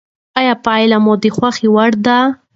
آیا پایلې مو د خوښې وړ دي؟